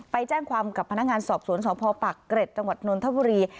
ไปแจ้งความกับพนักงานสอบสวนสภปรักษณ์เกร็ดตนธบรี